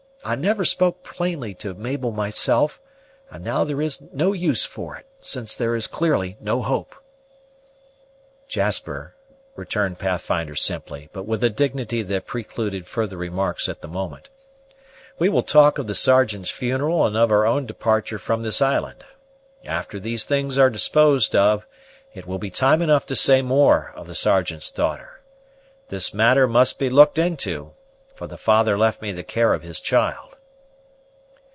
I never spoke plainly to Mabel myself, and now there is no use for it, since there is clearly no hope." "Jasper," returned Pathfinder simply, but with a dignity that precluded further remarks at the moment, "we will talk of the Sergeant's funeral and of our own departure from this island. After these things are disposed of, it will be time enough to say more of the Sergeant's daughter. This matter must be looked into, for the father left me the care of his child."